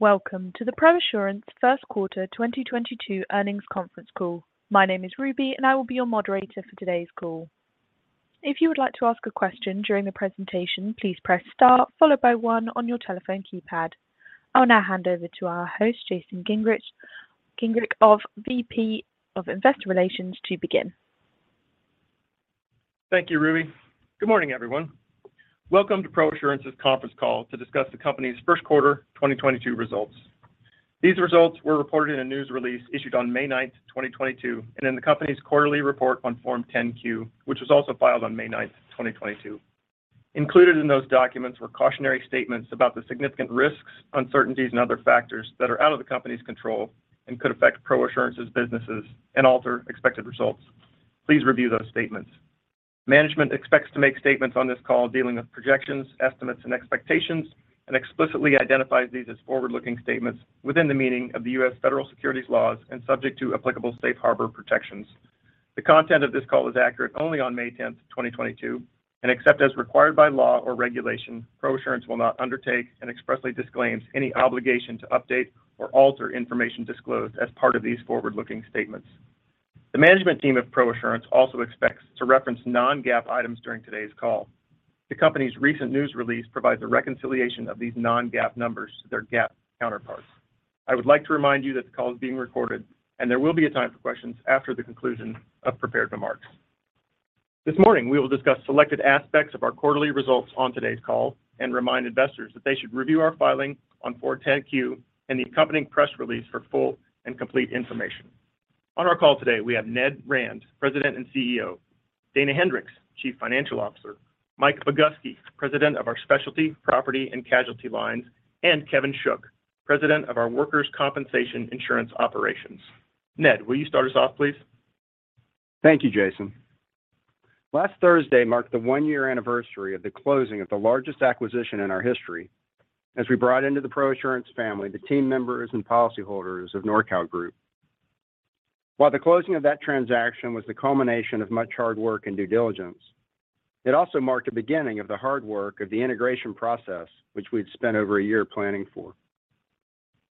Welcome to the ProAssurance First Quarter 2022 Earnings Conference Call. My name is Ruby, and I will be your moderator for today's call. If you would like to ask a question during the presentation, please press star followed by one on your telephone keypad. I will now hand over to our host, Jason Gingerich, VP of Investor Relations to begin. Thank you, Ruby. Good morning, everyone. Welcome to ProAssurance's conference call to discuss the company's first quarter 2022 results. These results were reported in a news release issued on May 9, 2022, and in the company's quarterly report on Form 10-Q, which was also filed on May 9, 2022. Included in those documents were cautionary statements about the significant risks, uncertainties, and other factors that are out of the company's control and could affect ProAssurance's businesses and alter expected results. Please review those statements. Management expects to make statements on this call dealing with projections, estimates, and expectations and explicitly identifies these as forward-looking statements within the meaning of the US Federal Securities laws and subject to applicable safe harbor protections. The content of this call is accurate only on May 10, 2022, and except as required by law or regulation, ProAssurance will not undertake and expressly disclaims any obligation to update or alter information disclosed as part of these forward-looking statements. The management team of ProAssurance also expects to reference non-GAAP items during today's call. The company's recent news release provides a reconciliation of these non-GAAP numbers to their GAAP counterparts. I would like to remind you that the call is being recorded, and there will be a time for questions after the conclusion of prepared remarks. This morning, we will discuss selected aspects of our quarterly results on today's call and remind investors that they should review our filing on Form 10-Q and the accompanying press release for full and complete information. On our call today, we have Ned Rand, President and CEO, Dana Hendricks, Chief Financial Officer, Mike Boguski, President of our Specialty Property and Casualty lines, and Kevin Shook, President of our Workers' Compensation Insurance operations. Ned, will you start us off, please? Thank you, Jason. Last Thursday marked the one-year anniversary of the closing of the largest acquisition in our history as we brought into the ProAssurance family the team members and policyholders of NORCAL Group. While the closing of that transaction was the culmination of much hard work and due diligence, it also marked the beginning of the hard work of the integration process, which we'd spent over a year planning for.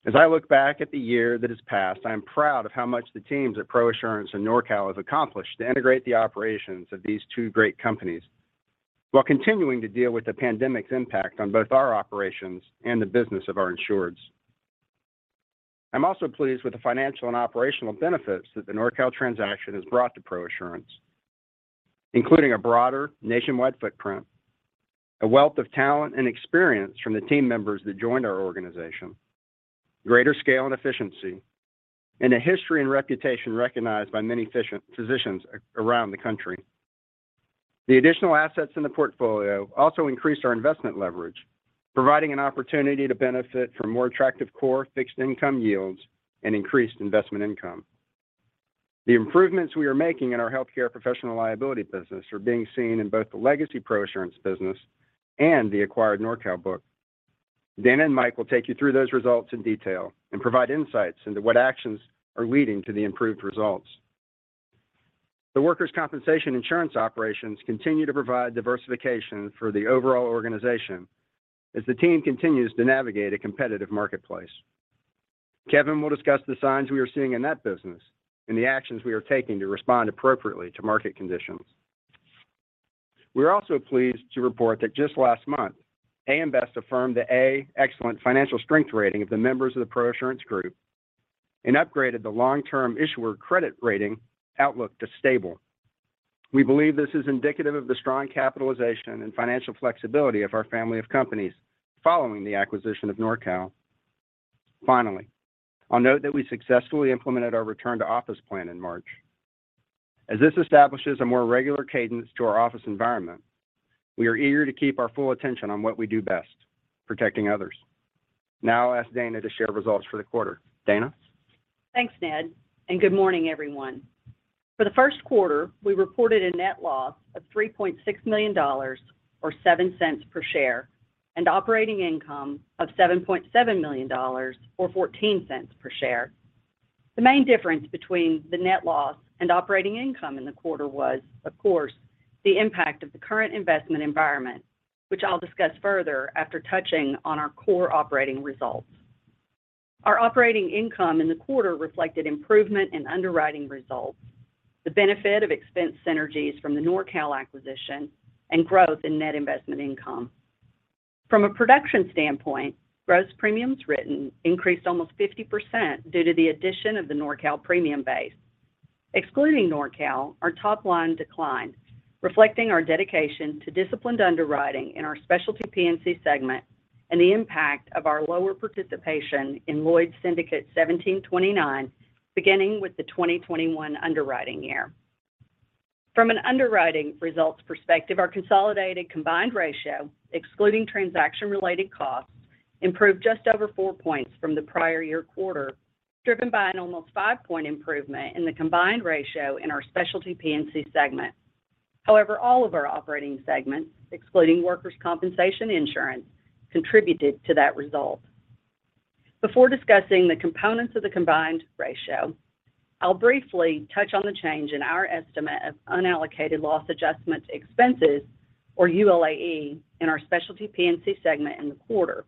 As I look back at the year that has passed, I am proud of how much the teams at ProAssurance and NORCAL have accomplished to integrate the operations of these two great companies while continuing to deal with the pandemic's impact on both our operations and the business of our insureds. I'm also pleased with the financial and operational benefits that the NORCAL transaction has brought to ProAssurance, including a broader nationwide footprint, a wealth of talent and experience from the team members that joined our organization, greater scale and efficiency, and a history and reputation recognized by many physicians around the country. The additional assets in the portfolio also increased our investment leverage, providing an opportunity to benefit from more attractive core fixed income yields and increased investment income. The improvements we are making in our healthcare professional liability business are being seen in both the legacy ProAssurance business and the acquired NORCAL book. Dana and Mike will take you through those results in detail and provide insights into what actions are leading to the improved results. The workers' compensation insurance operations continue to provide diversification for the overall organization as the team continues to navigate a competitive marketplace. Kevin will discuss the signs we are seeing in that business and the actions we are taking to respond appropriately to market conditions. We're also pleased to report that just last month, AM Best affirmed the A (Excellent) financial strength rating of the members of the ProAssurance group and upgraded the long-term issuer credit rating outlook to Stable. We believe this is indicative of the strong capitalization and financial flexibility of our family of companies following the acquisition of NORCAL. Finally, I'll note that we successfully implemented our return to office plan in March. As this establishes a more regular cadence to our office environment, we are eager to keep our full attention on what we do best, protecting others. Now I'll ask Dana to share results for the quarter. Dana? Thanks, Ned, and good morning, everyone. For the first quarter, we reported a net loss of $3.6 million or $0.07 per share and operating income of $7.7 million or $0.14 per share. The main difference between the net loss and operating income in the quarter was, of course, the impact of the current investment environment, which I'll discuss further after touching on our core operating results. Our operating income in the quarter reflected improvement in underwriting results, the benefit of expense synergies from the NORCAL acquisition, and growth in net investment income. From a production standpoint, gross premiums written increased almost 50% due to the addition of the NorCal premium base. Excluding NORCAL, our top line declined, reflecting our dedication to disciplined underwriting in our specialty P&C segment and the impact of our lower participation in Lloyd's Syndicate 1729, beginning with the 2021 underwriting year. From an underwriting results perspective, our consolidated combined ratio, excluding transaction-related costs, improved just over 4 points from the prior year quarter, driven by an almost 5-point improvement in the combined ratio in our specialty P&C segment. However, all of our operating segments, excluding workers' compensation insurance, contributed to that result. Before discussing the components of the combined ratio, I'll briefly touch on the change in our estimate of unallocated loss adjustment expenses or ULAE in our specialty P&C segment in the quarter.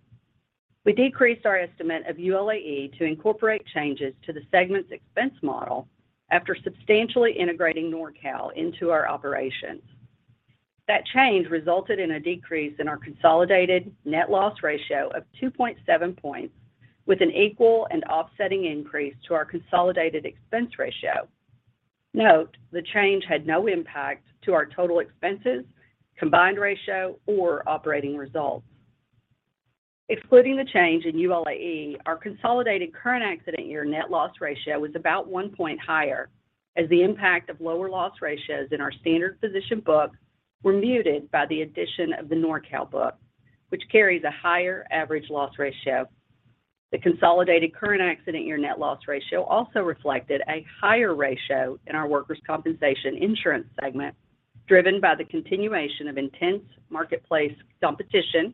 We decreased our estimate of ULAE to incorporate changes to the segment's expense model after substantially integrating NorCal into our operations. That change resulted in a decrease in our consolidated net loss ratio of 2.7 points with an equal and offsetting increase to our consolidated expense ratio. Note, the change had no impact to our total expenses, combined ratio, or operating results. Excluding the change in ULAE, our consolidated current accident year net loss ratio was about 1 point higher as the impact of lower loss ratios in our standard physicians book were muted by the addition of the NORCAL book, which carries a higher average loss ratio. The consolidated current accident year net loss ratio also reflected a higher ratio in our workers' compensation insurance segment, driven by the continuation of intense marketplace competition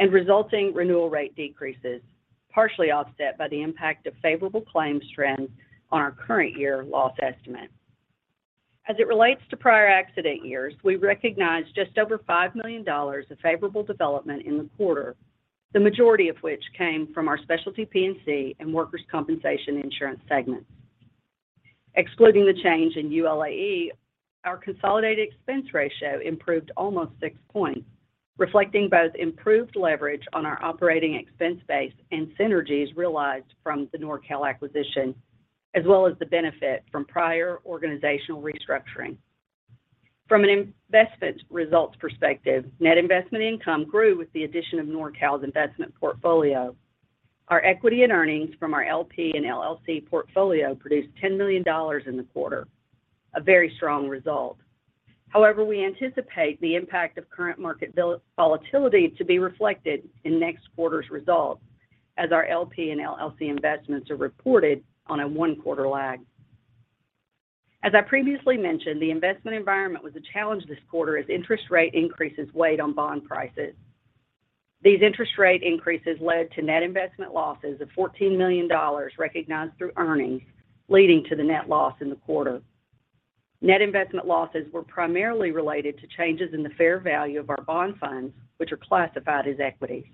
and resulting renewal rate decreases, partially offset by the impact of favorable claims trends on our current year loss estimate. As it relates to prior accident years, we recognized just over $5 million of favorable development in the quarter, the majority of which came from our specialty P&C and workers' compensation insurance segments. Excluding the change in ULAE, our consolidated expense ratio improved almost 6 points, reflecting both improved leverage on our operating expense base and synergies realized from the NorCal acquisition, as well as the benefit from prior organizational restructuring. From an investment results perspective, net investment income grew with the addition of NORCAL's investment portfolio. Our equity and earnings from our LP and LLC portfolio produced $10 million in the quarter, a very strong result. However, we anticipate the impact of current market volatility to be reflected in next quarter's results as our LP and LLC investments are reported on a one-quarter lag. As I previously mentioned, the investment environment was a challenge this quarter as interest rate increases weighed on bond prices. These interest rate increases led to net investment losses of $14 million recognized through earnings, leading to the net loss in the quarter. Net investment losses were primarily related to changes in the fair value of our bond funds, which are classified as equities.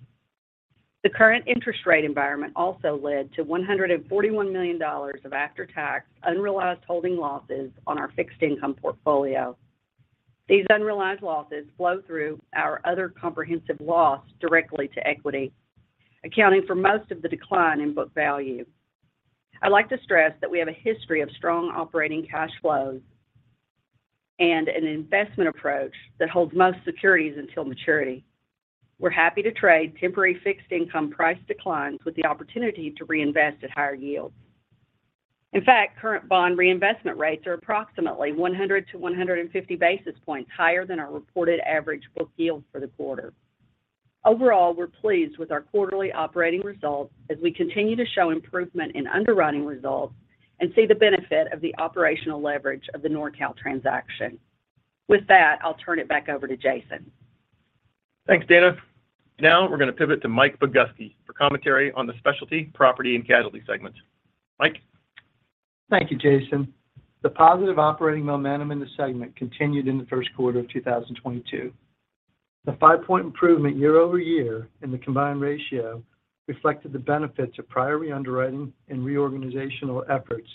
The current interest rate environment also led to $141 million of after-tax unrealized holding losses on our fixed income portfolio. These unrealized losses flow through our other comprehensive loss directly to equity, accounting for most of the decline in book value. I'd like to stress that we have a history of strong operating cash flows and an investment approach that holds most securities until maturity. We're happy to trade temporary fixed income price declines with the opportunity to reinvest at higher yields. In fact, current bond reinvestment rates are approximately 100-150 basis points higher than our reported average book yield for the quarter. Overall, we're pleased with our quarterly operating results as we continue to show improvement in underwriting results and see the benefit of the operational leverage of the NORCAL transaction. With that, I'll turn it back over to Jason. Thanks, Dana. Now we're going to pivot to Mike Boguski for commentary on the Specialty Property and Casualty segments. Mike? Thank you, Jason. The positive operating momentum in the segment continued in the first quarter of 2022. The 5-point improvement year-over-year in the combined ratio reflected the benefits of prior reunderwriting and reorganizational efforts,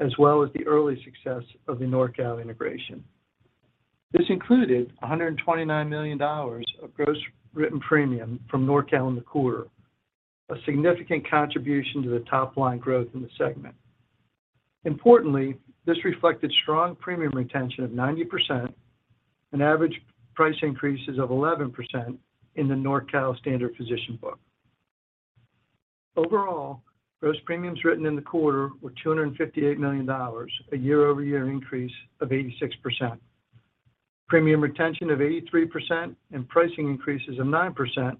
as well as the early success of the NORCAL integration. This included $129 million of gross written premium from NORCAL in the quarter, a significant contribution to the top-line growth in the segment. Importantly, this reflected strong premium retention of 90% and average price increases of 11% in the NORCAL standard physician book. Overall, gross premiums written in the quarter were $258 million, a year-over-year increase of 86%. Premium retention of 83% and pricing increases of 9%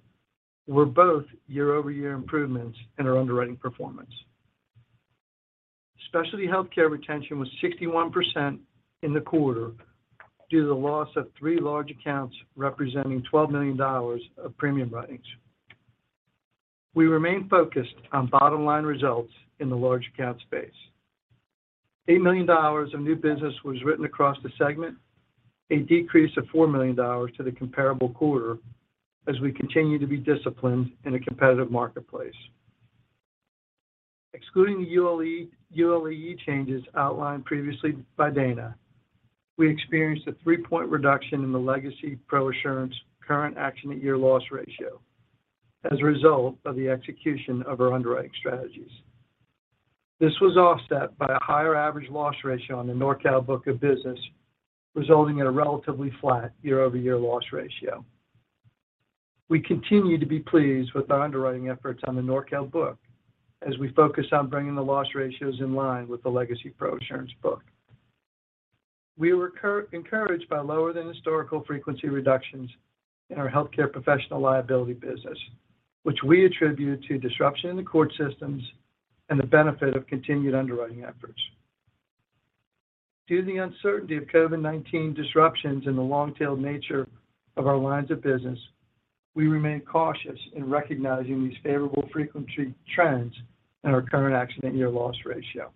were both year-over-year improvements in our underwriting performance. Specialty healthcare retention was 61% in the quarter due to the loss of three large accounts representing $12 million of premium writings. We remain focused on bottom-line results in the large account space. $8 million of new business was written across the segment, a decrease of $4 million to the comparable quarter as we continue to be disciplined in a competitive marketplace. Excluding the ULAE changes outlined previously by Dana, we experienced a 3-point reduction in the legacy ProAssurance current accident year loss ratio as a result of the execution of our underwriting strategies. This was offset by a higher average loss ratio on the NORCAL book of business, resulting in a relatively flat year-over-year loss ratio. We continue to be pleased with our underwriting efforts on the NORCAL book as we focus on bringing the loss ratios in line with the legacy ProAssurance book. We were encouraged by lower-than-historical frequency reductions in our healthcare professional liability business, which we attribute to disruption in the court systems and the benefit of continued underwriting efforts. Due to the uncertainty of COVID-19 disruptions and the long-tailed nature of our lines of business, we remain cautious in recognizing these favorable frequency trends in our current accident year loss ratio.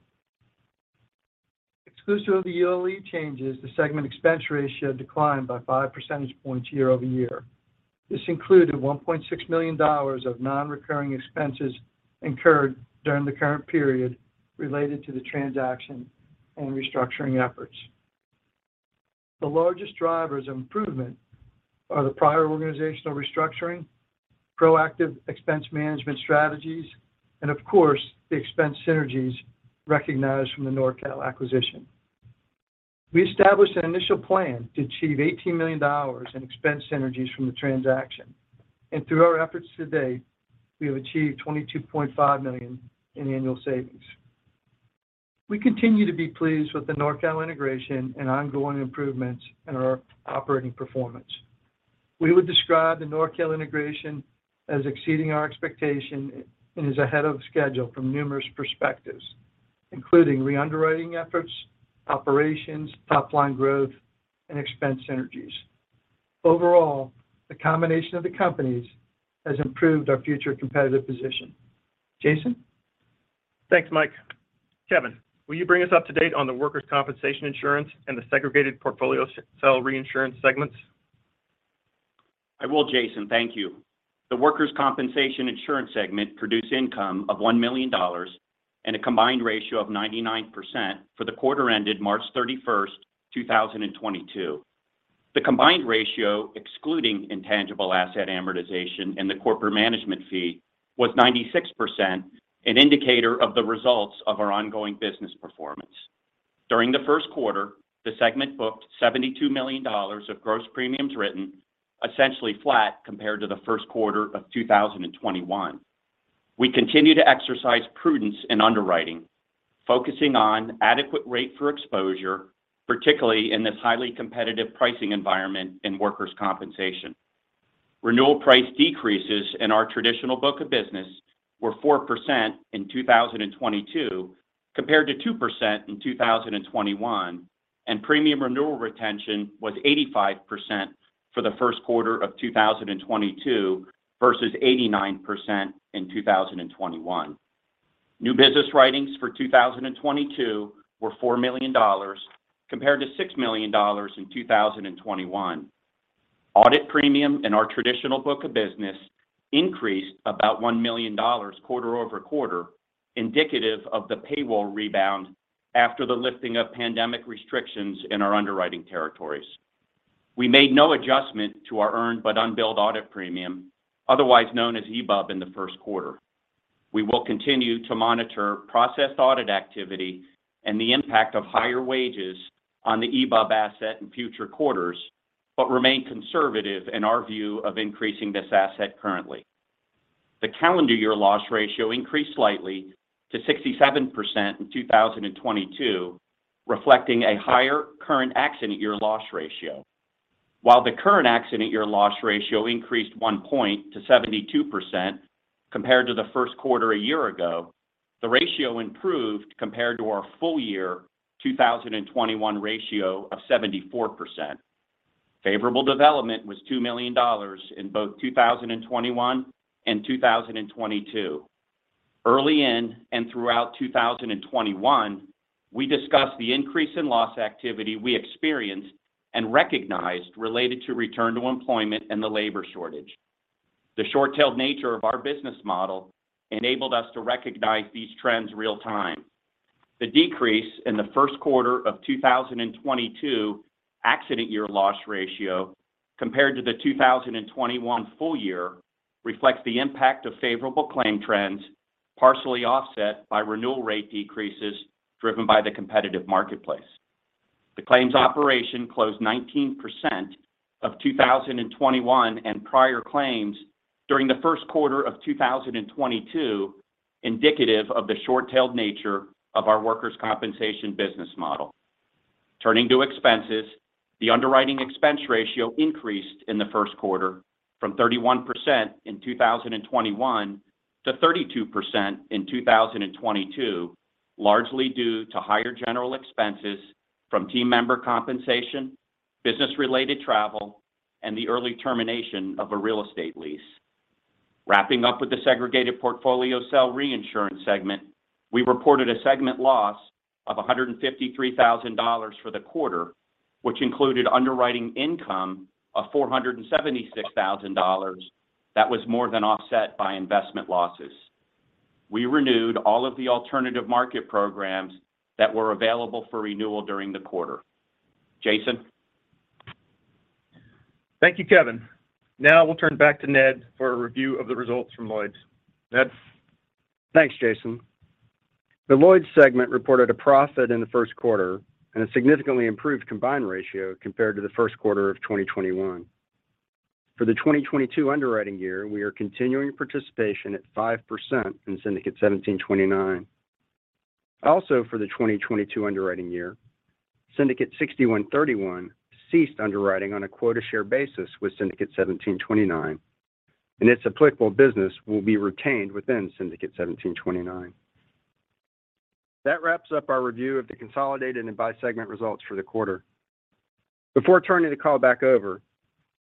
Exclusive of the ULAE changes, the segment expense ratio declined by 5 percentage points year-over-year. This included $1.6 million of non-recurring expenses incurred during the current period related to the transaction and restructuring efforts. The largest drivers of improvement are the prior organizational restructuring, proactive expense management strategies, and of course, the expense synergies recognized from the NORCAL acquisition. We established an initial plan to achieve $18 million in expense synergies from the transaction. Through our efforts to date, we have achieved $22.5 million in annual savings. We continue to be pleased with the NORCAL integration and ongoing improvements in our operating performance. We would describe the NORCAL integration as exceeding our expectation and is ahead of schedule from numerous perspectives, including re-underwriting efforts, operations, top line growth, and expense synergies. Overall, the combination of the companies has improved our future competitive position. Jason? Thanks, Mike. Kevin, will you bring us up to date on the workers' compensation insurance and the Segregated Portfolio Cell Reinsurance segments? I will, Jason. Thank you. The workers' compensation insurance segment produced income of $1 million and a combined ratio of 99% for the quarter ended March 31st, 2022. The combined ratio, excluding intangible asset amortization and the corporate management fee, was 96%, an indicator of the results of our ongoing business performance. During the first quarter, the segment booked $72 million of gross premiums written, essentially flat compared to the first quarter of 2021. We continue to exercise prudence in underwriting, focusing on adequate rate for exposure, particularly in this highly competitive pricing environment in workers' compensation. Renewal price decreases in our traditional book of business were 4% in 2022 compared to 2% in 2021, and premium renewal retention was 85% for the first quarter of 2022 versus 89% in 2021. New business writings for 2022 were $4 million compared to $6 million in 2021. Audit premium in our traditional book of business increased about $1 million quarter-over-quarter, indicative of the payroll rebound after the lifting of pandemic restrictions in our underwriting territories. We made no adjustment to our earned but unbilled audit premium, otherwise known as EBUB, in the first quarter. We will continue to monitor processed audit activity and the impact of higher wages on the EBUB asset in future quarters, but remain conservative in our view of increasing this asset currently. The calendar year loss ratio increased slightly to 67% in 2022, reflecting a higher current accident year loss ratio. While the current accident year loss ratio increased 1 point to 72% compared to the first quarter a year ago, the ratio improved compared to our full year 2021 ratio of 74%. Favorable development was $2 million in both 2021 and 2022. Early in and throughout 2021, we discussed the increase in loss activity we experienced and recognized related to return to employment and the labor shortage. The short-tailed nature of our business model enabled us to recognize these trends real time. The decrease in the first quarter of 2022 accident year loss ratio compared to the 2021 full year reflects the impact of favorable claim trends, partially offset by renewal rate decreases driven by the competitive marketplace. The claims operation closed 19% of 2021 and prior claims during the first quarter of 2022, indicative of the short-tailed nature of our workers' compensation business model. Turning to expenses, the underwriting expense ratio increased in the first quarter from 31% in 2021 to 32% in 2022, largely due to higher general expenses from team member compensation, business-related travel, and the early termination of a real estate lease. Wrapping up with the Segregated Portfolio Cell Reinsurance segment, we reported a segment loss of $153,000 for the quarter, which included underwriting income of $476,000 that was more than offset by investment losses. We renewed all of the alternative market programs that were available for renewal during the quarter. Jason? Thank you, Kevin. Now we'll turn back to Ned for a review of the results from Lloyd's. Ned? Thanks, Jason. The Lloyd's segment reported a profit in the first quarter and a significantly improved combined ratio compared to the first quarter of 2021. For the 2022 underwriting year, we are continuing participation at 5% in Syndicate 1729. Also, for the 2022 underwriting year, Syndicate 6131 ceased underwriting on a quota share basis with Syndicate 1729. Its applicable business will be retained within Syndicate 1729. That wraps up our review of the consolidated and by segment results for the quarter. Before turning the call back over,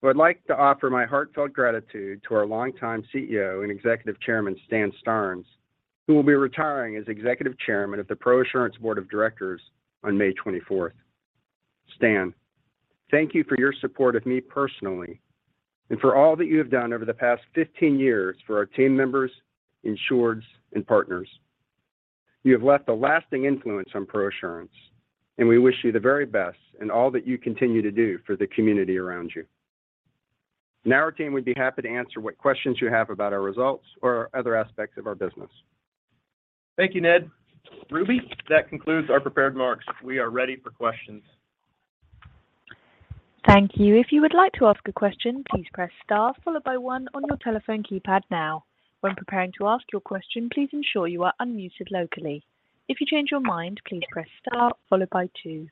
I would like to offer my heartfelt gratitude to our longtime CEO and Executive Chairman, Stan Starnes, who will be retiring as Executive Chairman of the ProAssurance Board of Directors on May 24th. Stan, thank you for your support of me personally and for all that you have done over the past 15 years for our team members, insureds, and partners. You have left a lasting influence on ProAssurance, and we wish you the very best in all that you continue to do for the community around you. Now our team would be happy to answer what questions you have about our results or other aspects of our business. Thank you, Ned. Ruby, that concludes our prepared remarks. We are ready for questions. Thank you. If you would like to ask a question, please press star followed by one on your telephone keypad now. When preparing to ask your question, please ensure you are unmuted locally. If you change your mind, please press star followed by two.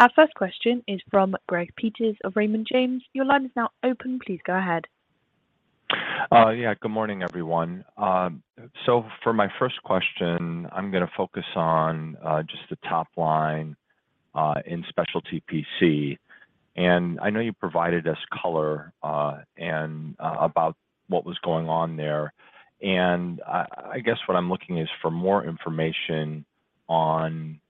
Our first question is from Greg Peters of Raymond James. Your line is now open. Please go ahead. Good morning, everyone. For my first question, I'm gonna focus on just the top line in specialty P&C. I know you provided us color about what was going on there. I guess what I'm looking is for more information on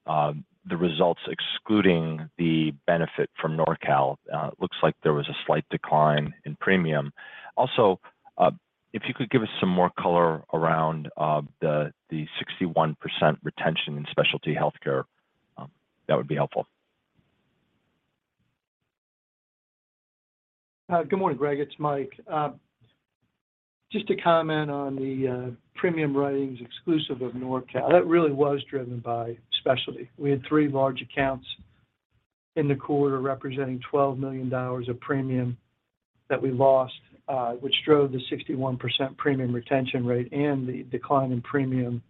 the results excluding the benefit from NORCAL. It looks like there was a slight decline in premium. Also, if you could give us some more color around the 61% retention in specialty healthcare, that would be helpful. Good morning, Greg. It's Mike. Just to comment on the premium writings exclusive of NORCAL, that really was driven by specialty. We had three large accounts in the quarter representing $12 million of premium that we lost, which drove the 61% premium retention rate and the decline in premium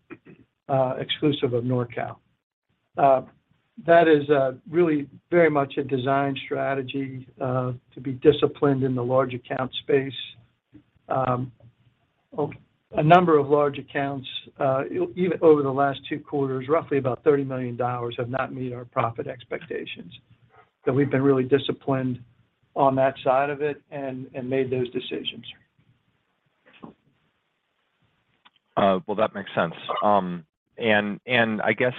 exclusive of NORCAL. That is really very much a design strategy to be disciplined in the large account space. A number of large accounts, even over the last two quarters, roughly about $30 million have not made our profit expectations. We've been really disciplined on that side of it and made those decisions. Well, that makes sense. I guess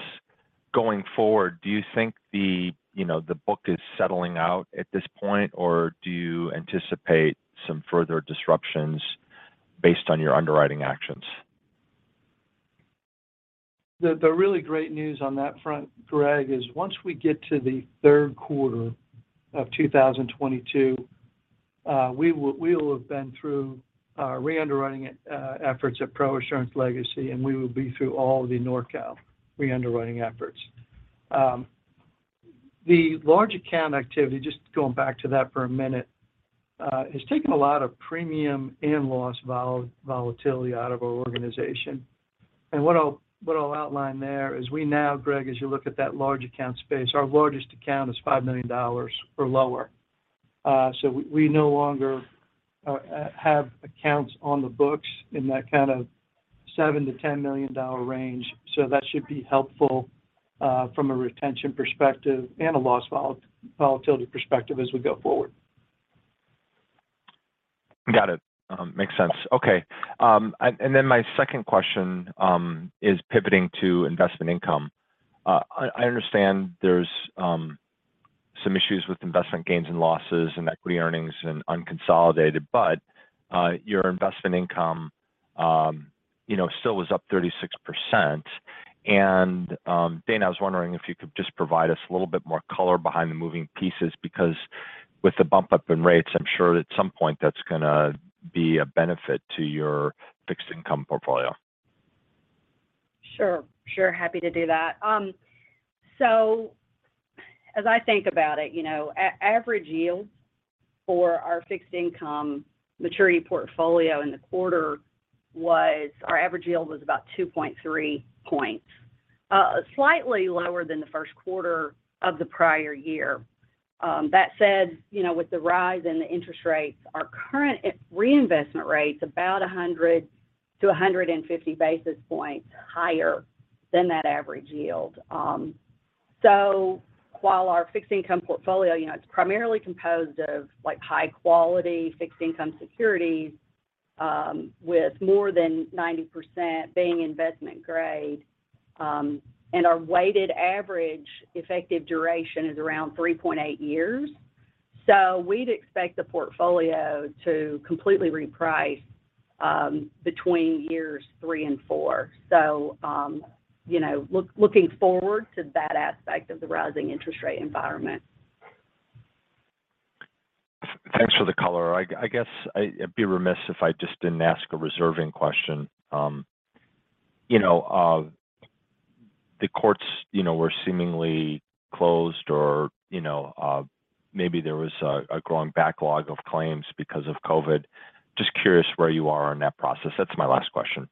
going forward, do you think the, you know, the book is settling out at this point, or do you anticipate some further disruptions based on your underwriting actions? The really great news on that front, Greg, is once we get to the third quarter of 2022, we will have been through our re-underwriting efforts at ProAssurance Legacy, and we will be through all the NORCAL re-underwriting efforts. The large account activity, just going back to that for a minute, has taken a lot of premium and loss volatility out of our organization. What I'll outline there is we now, Greg, as you look at that large account space, our largest account is $5 million or lower. We no longer have accounts on the books in that kind of $7-$10 million range. That should be helpful from a retention perspective and a loss volatility perspective as we go forward. Got it. Makes sense. Okay. My second question is pivoting to investment income. I understand there's some issues with investment gains and losses and equity earnings in unconsolidated, but your investment income, you know, still was up 36%. Dana, I was wondering if you could just provide us a little bit more color behind the moving pieces because with the bump up in rates, I'm sure at some point that's gonna be a benefit to your fixed income portfolio. Sure, happy to do that. As I think about it, you know, average yield for our fixed income maturity portfolio in the quarter was about 2.3%, slightly lower than the first quarter of the prior year. That said, you know, with the rise in the interest rates, our current reinvestment rate's about 100-150 basis points higher than that average yield. While our fixed income portfolio, you know, it's primarily composed of like high-quality fixed income securities, with more than 90% being investment grade, and our weighted average effective duration is around 3.8 years. We'd expect the portfolio to completely reprice, between years three and four. You know, looking forward to that aspect of the rising interest rate environment. Thanks for the color. I guess I'd be remiss if I just didn't ask a reserving question. You know, the courts, you know, were seemingly closed or, you know, maybe there was a growing backlog of claims because of COVID. Just curious where you are on that process. That's my last question.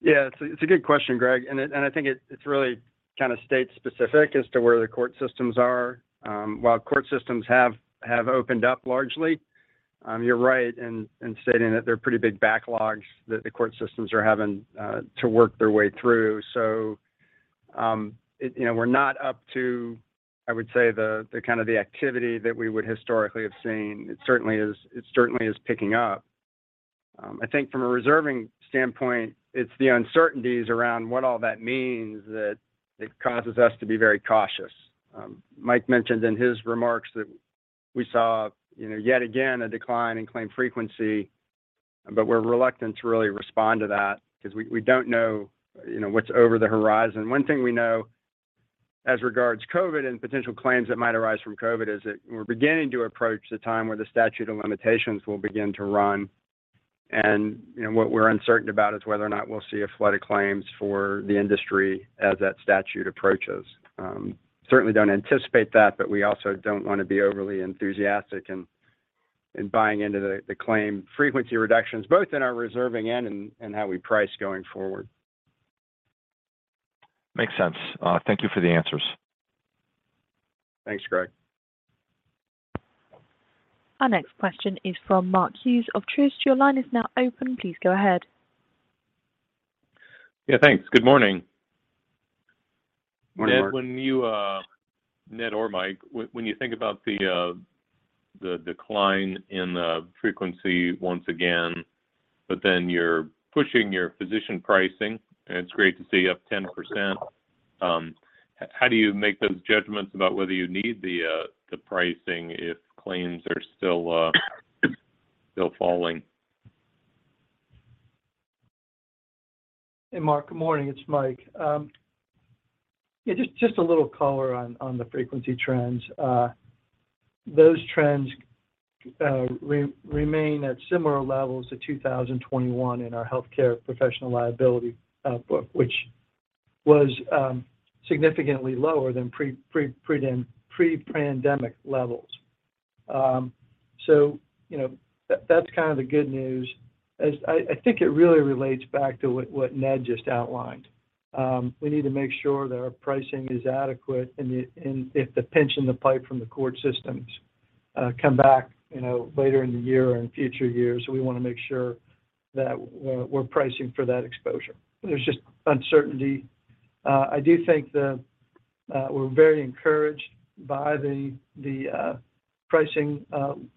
Yeah, it's a good question, Greg. I think it's really kind of state specific as to where the court systems are. While court systems have opened up largely, you're right in stating that there are pretty big backlogs that the court systems are having to work their way through. You know, we're not up to, I would say, the kind of activity that we would historically have seen. It certainly is picking up. I think from a reserving standpoint, it's the uncertainties around what all that means that causes us to be very cautious. Mike mentioned in his remarks that we saw, you know, yet again a decline in claim frequency, but we're reluctant to really respond to that because we don't know, you know, what's over the horizon. One thing we know as regards COVID and potential claims that might arise from COVID is that we're beginning to approach the time where the statute of limitations will begin to run. You know, what we're uncertain about is whether or not we'll see a flood of claims for the industry as that statute approaches. Certainly don't anticipate that, but we also don't want to be overly enthusiastic in buying into the claim frequency reductions, both in our reserving end and how we price going forward. Makes sense. Thank you for the answers. Thanks, Greg. Our next question is from Mark Hughes of Truist. Your line is now open. Please go ahead. Yeah, thanks. Good morning. Morning, Mark. Ned or Mike, when you think about the decline in frequency once again, but then you're pushing your physician pricing, and it's great to see you up 10%, how do you make those judgments about whether you need the pricing if claims are still falling? Hey, Mark. Good morning. It's Mike. Yeah, just a little color on the frequency trends. Those trends remain at similar levels to 2021 in our healthcare professional liability book, which was significantly lower than pre-pandemic levels. So, you know, that's kind of the good news. I think it really relates back to what Ned just outlined. We need to make sure that our pricing is adequate and if the pinch in the pipeline from the court systems come back, you know, later in the year or in future years, we want to make sure that we're pricing for that exposure. There's just uncertainty. I do think that we're very encouraged by the pricing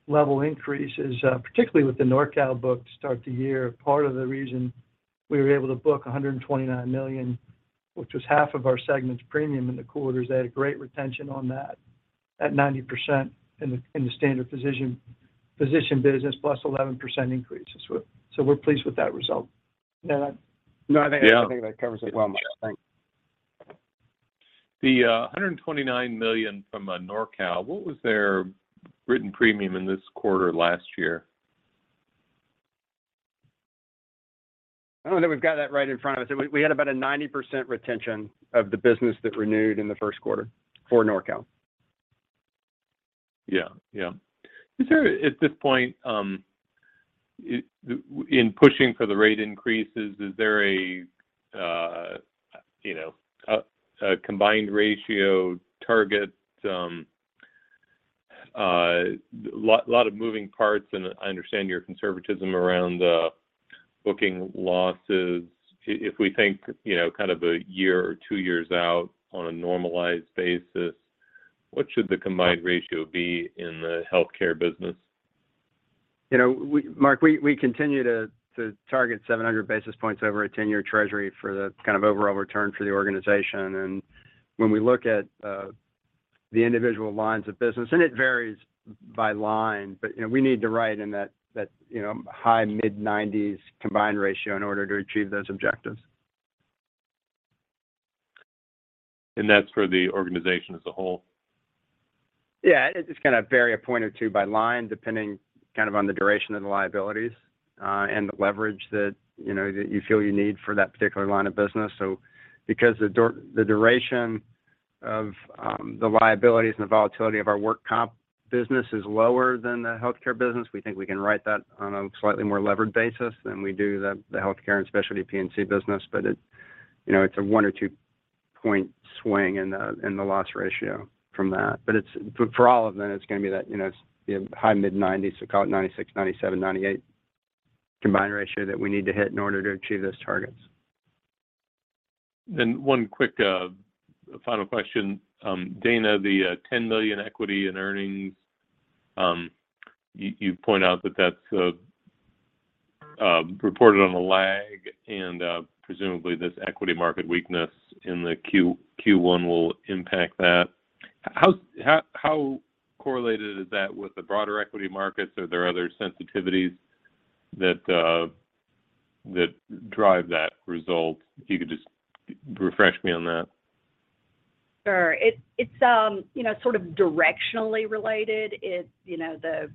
level increases, particularly with the NORCAL book to start the year. Part of the reason we were able to book $129 million, which was half of our segment's premium in the quarter, is they had great retention on that at 90% in the standard physician business, plus 11% increases. We're pleased with that result. Ned? No, I think that covers it well, Mike. Thanks. The $129 million from NORCAL, what was their written premium in this quarter last year? I don't think we've got that right in front of us. We had about a 90% retention of the business that renewed in the first quarter for NORCAL. Yeah. Is there, at this point, in pushing for the rate increases, is there a, you know, combined ratio target? A lot of moving parts, and I understand your conservatism around booking losses. If we think, you know, kind of a year or two years out on a normalized basis, what should the combined ratio be in the healthcare business? You know, Mark, we continue to target 700 basis points over a 10-year Treasury for the kind of overall return for the organization. When we look at the individual lines of business, and it varies by line, but, you know, we need to write in that, you know, high mid-90s combined ratio in order to achieve those objectives. That's for the organization as a whole? Yeah. It just kind of vary a point or two by line, depending kind of on the duration of the liabilities, and the leverage that, you know, that you feel you need for that particular line of business. Because the duration of the liabilities and the volatility of our work comp business is lower than the healthcare business, we think we can write that on a slightly more levered basis than we do the healthcare and specialty P&C business. It, you know, it's a one or two-point swing in the loss ratio from that. It's, for all of them, it's gonna be that, you know, it's the high mid-90s%, so call it 96%, 97%, 98% combined ratio that we need to hit in order to achieve those targets. One quick final question. Dana, the $10 million equity in earnings, you point out that that's reported on a lag, and presumably this equity market weakness in the Q1 will impact that. How correlated is that with the broader equity markets? Are there other sensitivities that drive that result? If you could just refresh me on that. Sure. It's you know, sort of directionally related. It's you know, the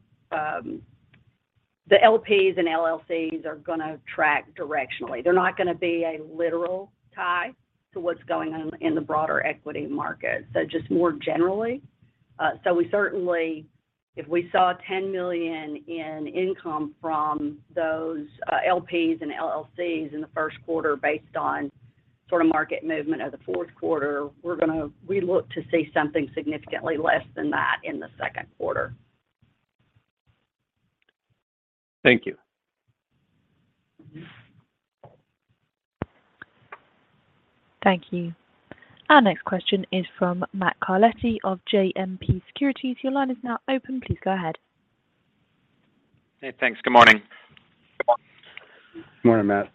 LPs and LLCs are gonna track directionally. They're not gonna be a literal tie to what's going on in the broader equity market. Just more generally, we certainly, if we saw $10 million in income from those LPs and LLCs in the first quarter based on sort of market movement of the fourth quarter, we look to see something significantly less than that in the second quarter. Thank you. Thank you. Our next question is from Matt Carletti of JMP Securities. Your line is now open. Please go ahead. Hey, thanks. Good morning. Morning, Matt.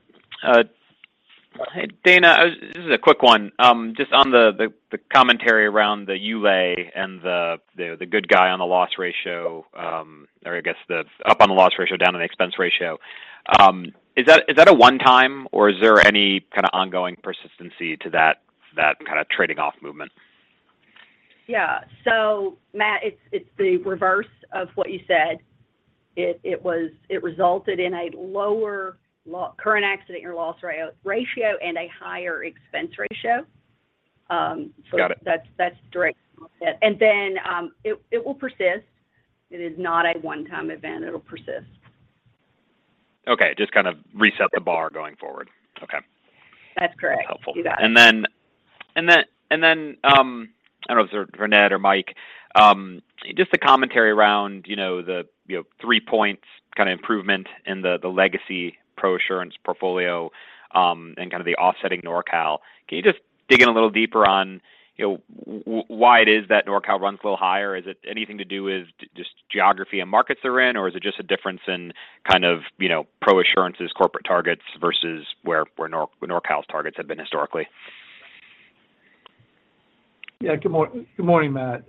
Hey, Dana, this is a quick one. Just on the commentary around the ULAE and the good guy on the loss ratio, or I guess the up on the loss ratio, down on the expense ratio. Is that a one-time, or is there any kind of ongoing persistency to that kind of trade-off movement? Yeah. Matt, it's the reverse of what you said. It resulted in a lower current accident year loss ratio, and a higher expense ratio. Got it. That's direct offset. Then it will persist. It is not a one-time event. It'll persist. Okay. Just kind of reset the bar going forward. Okay. That's correct. Helpful. You got it. I don't know if it's Ned Rand or Mike Bogusky, just the commentary around, you know, the 3 points kind of improvement in the legacy ProAssurance portfolio, and kind of the offsetting NorCal. Can you just dig in a little deeper on, you know, why it is that NorCal runs a little higher? Is it anything to do with just geography and markets they're in, or is it just a difference in kind of, you know, ProAssurance's corporate targets versus where NorCal's targets have been historically? Yeah. Good morning, Matt.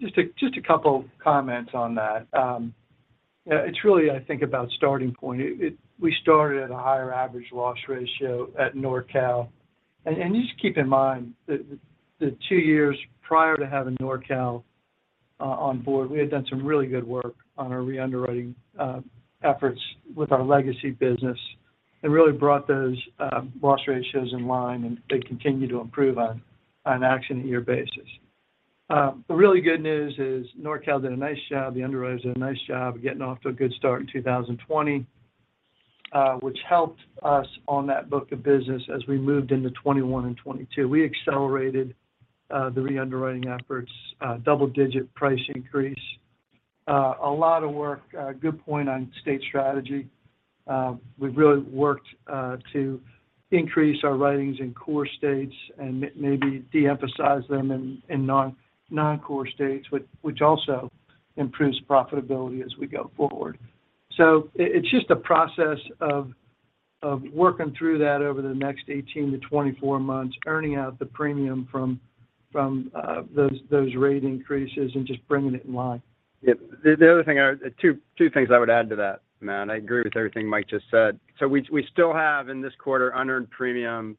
Just a couple comments on that. Yeah, it's really, I think, about starting point. We started at a higher average loss ratio at NORCAL. Just keep in mind that the two years prior to having NORCAL on board, we had done some really good work on our re-underwriting efforts with our legacy business and really brought those loss ratios in line, and they continue to improve on an accident year basis. The really good news is NORCAL did a nice job, the underwriters did a nice job of getting off to a good start in 2020, which helped us on that book of business as we moved into 2021 and 2022. We accelerated the re-underwriting efforts, double-digit price increase. A lot of work. Good point on state strategy. We've really worked to increase our writings in core states and maybe de-emphasize them in non-core states, which also improves profitability as we go forward. It's just a process of working through that over the next 18-24 months, earning out the premium from those rate increases and just bringing it in line. Yeah. Two things I would add to that, Matt. I agree with everything Mike just said. We still have in this quarter unearned premium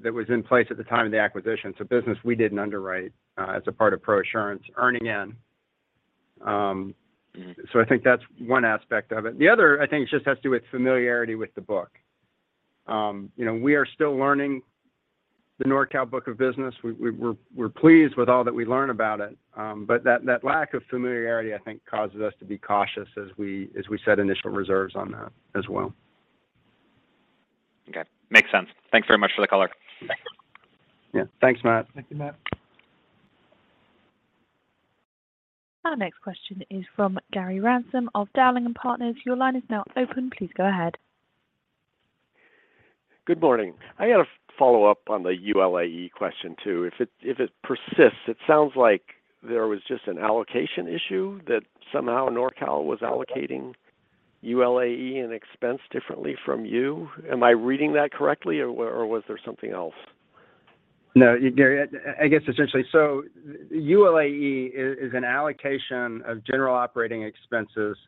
that was in place at the time of the acquisition. Business we didn't underwrite as a part of ProAssurance earning in. Mm-hmm I think that's one aspect of it. The other, I think, just has to do with familiarity with the book. You know, we are still learning the NORCAL book of business. We're pleased with all that we learn about it. That lack of familiarity, I think, causes us to be cautious as we set initial reserves on that as well. Okay. Makes sense. Thanks very much for the color. Yeah. Thanks, Matt. Thank you, Matt. Our next question is from Gary Ransom of Dowling & Partners. Your line is now open. Please go ahead. Good morning. I got a follow-up on the ULAE question too. If it persists, it sounds like there was just an allocation issue that somehow NORCAL was allocating ULAE and expense differently from you. Am I reading that correctly or was there something else? No, Gary, I guess essentially. ULAE is an allocation of general operating expenses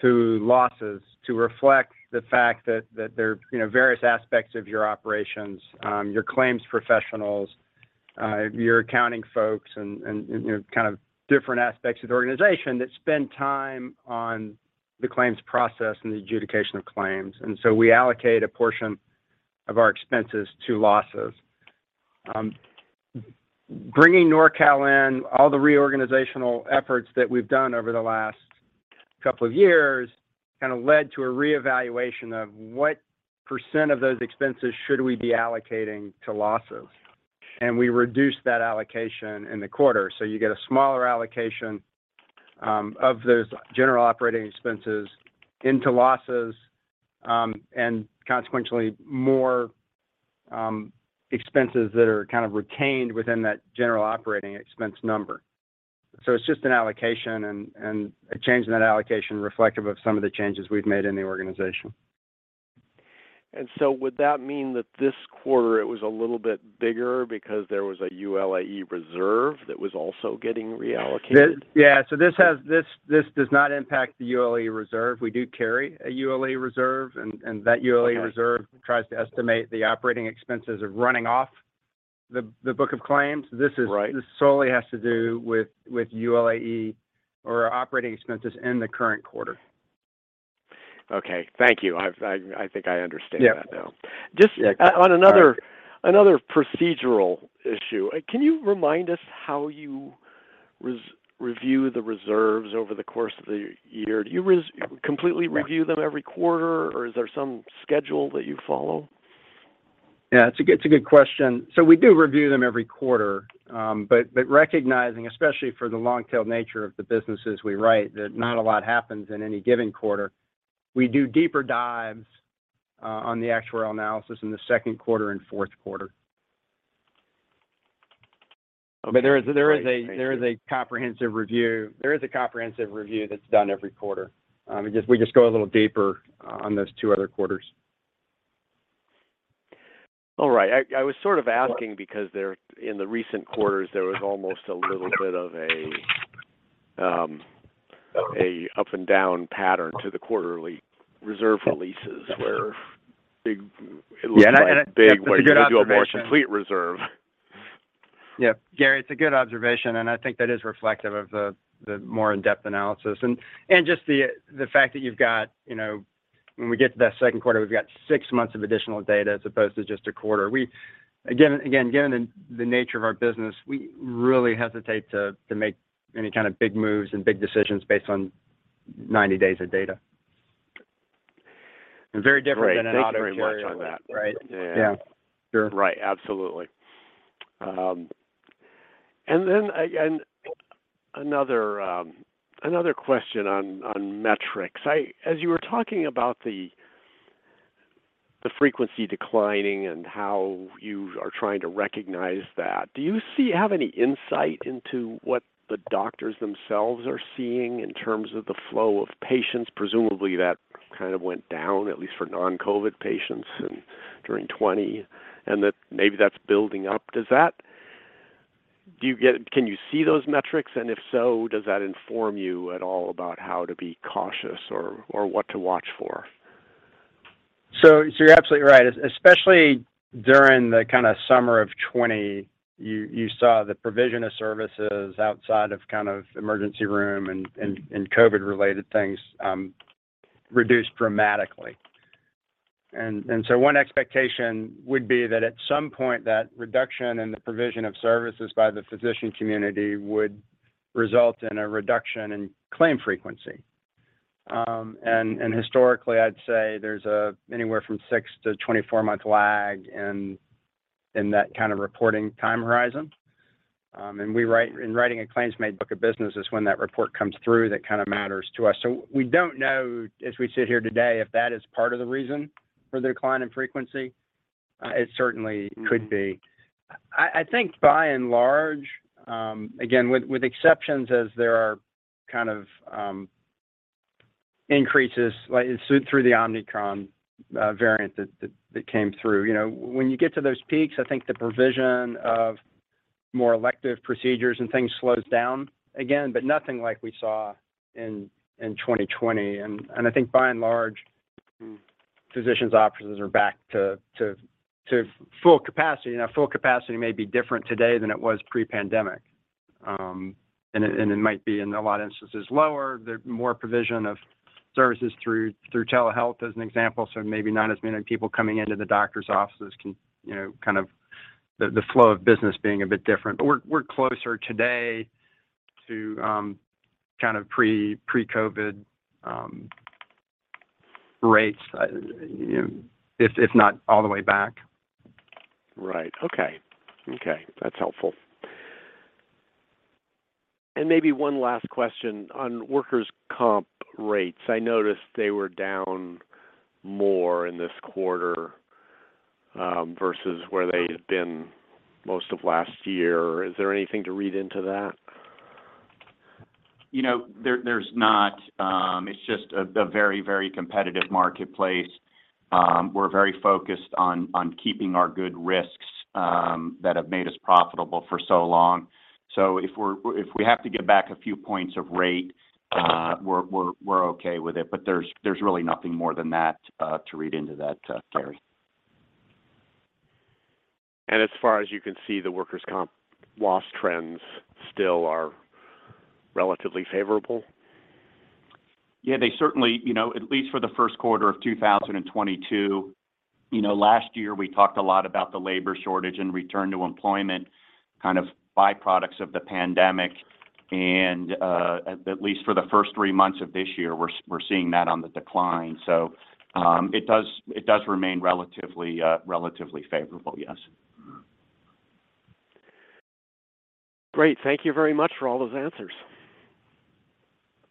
to losses to reflect the fact that there, you know, various aspects of your operations, your claims professionals, your accounting folks and, you know, kind of different aspects of the organization that spend time on the claims process and the adjudication of claims. We allocate a portion of our expenses to losses. Bringing NorCal in, all the reorganizational efforts that we've done over the last couple of years kinda led to a reevaluation of what percent of those expenses should we be allocating to losses. We reduced that allocation in the quarter. You get a smaller allocation of those general operating expenses into losses, and consequently more expenses that are kind of retained within that general operating expense number. It's just an allocation and a change in that allocation reflective of some of the changes we've made in the organization. Would that mean that this quarter it was a little bit bigger because there was a ULAE reserve that was also getting reallocated? Yeah. This does not impact the ULAE reserve. We do carry a ULAE reserve, and that ULAE reserve. Okay tries to estimate the operating expenses of running off the book of claims. This is. Right This solely has to do with ULAE or operating expenses in the current quarter. Okay. Thank you. I think I understand that now. Yeah. Just- Yeah. Go ahead. On another procedural issue, can you remind us how you review the reserves over the course of the year? Do you completely review them every quarter or is there some schedule that you follow? Yeah, it's a good question. We do review them every quarter, but recognizing, especially for the long tail nature of the businesses we write, that not a lot happens in any given quarter. We do deeper dives on the actuarial analysis in the second quarter and fourth quarter. I mean. Great. Thank you. There is a comprehensive review that's done every quarter. We just go a little deeper on those two other quarters. All right. I was sort of asking because there, in the recent quarters, there was almost a little bit of a up and down pattern to the quarterly reserve releases where big- Yeah. It looked like big. That's a good observation. where you do a more complete reserve. Yeah. Gary, it's a good observation, and I think that is reflective of the more in-depth analysis and just the fact that you've got, you know, when we get to that second quarter, we've got six months of additional data as opposed to just a quarter. We again, given the nature of our business, we really hesitate to make any kind of big moves and big decisions based on 90 days of data. Very different than an auto carrier. Great. Thanks very much for that. Right? Yeah. Sure. Right. Absolutely. Then another question on metrics. As you were talking about the frequency declining and how you are trying to recognize that, do you see, have any insight into what the doctors themselves are seeing in terms of the flow of patients? Presumably that kind of went down at least for non-COVID patients in during 2020 and that maybe that's building up. Can you see those metrics? If so, does that inform you at all about how to be cautious or what to watch for? You're absolutely right. Especially during the kind of summer of 2020, you saw the provision of services outside of kind of emergency room and COVID-related things reduced dramatically. One expectation would be that at some point that reduction in the provision of services by the physician community would result in a reduction in claim frequency. Historically I'd say there's anywhere from 6- to 24-month lag in that kind of reporting time horizon. In writing a claims-made book of business is when that report comes through, that kind of matters to us. We don't know as we sit here today if that is part of the reason for the decline in frequency. It certainly could be. I think by and large, again, with exceptions as there are kind of increases like through the Omicron variant that came through. You know, when you get to those peaks, I think the provision of more elective procedures and things slows down again, but nothing like we saw in 2020. I think by and large, physicians' offices are back to full capacity. Now, full capacity may be different today than it was pre-pandemic. It might be in a lot of instances lower. There's more provision of services through telehealth as an example. Maybe not as many people coming into the doctor's offices, you know, kind of the flow of business being a bit different. We're closer today to kind of pre-COVID rates, if not all the way back. Right. Okay. That's helpful. Maybe one last question on workers' comp rates. I noticed they were down more in this quarter, versus where they had been most of last year. Is there anything to read into that? You know, there's not. It's just a very competitive marketplace. We're very focused on keeping our good risks that have made us profitable for so long. If we have to give back a few points of rate, we're okay with it, but there's really nothing more than that to read into that, Gary. As far as you can see, the workers' comp loss trends still are relatively favorable? Yeah, they certainly, you know, at least for the first quarter of 2022, you know, last year we talked a lot about the labor shortage and return to employment kind of byproducts of the pandemic. At least for the first three months of this year, we're seeing that on the decline. It does remain relatively favorable, yes. Great. Thank you very much for all those answers.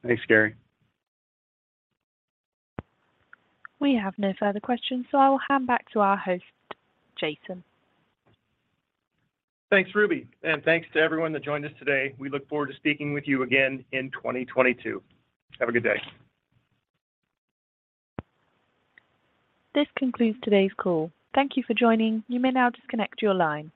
Thanks, Gary. We have no further questions, so I'll hand back to our host, Jason. Thanks, Ruby, and thanks to everyone that joined us today. We look forward to speaking with you again in 2022. Have a good day. This concludes today's call. Thank you for joining. You may now disconnect your line.